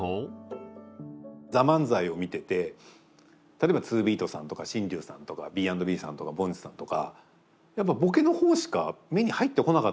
「ＴＨＥＭＡＮＺＡＩ」を見てて例えばツービートさんとか紳・竜さんとかＢ＆Ｂさんとかぼんちさんとかやっぱりボケのほうしか目に入ってこなかったんですよ。